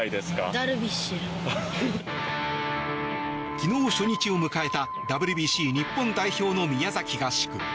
昨日、初日を迎えたＷＢＣ日本代表の宮崎合宿。